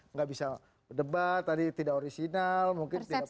enggak bisa berdebat tadi tidak orisinal mungkin tidak perbedaan